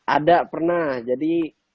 ada pernah jadi